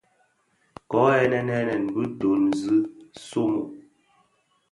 Ko ghènèn ghènèn bi döön zi somo.